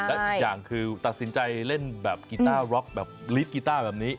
ถ้าอย่างคือตัดสินใจเล่นแบบกีต้าร็อคแบบนี้